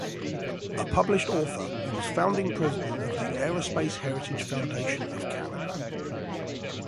A published author, he was founding president of the Aerospace Heritage Foundation of Canada.